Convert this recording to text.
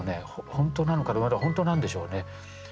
本当なのか本当なんでしょうね